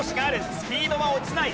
スピードは落ちない。